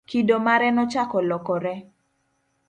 kido mare nochako lokore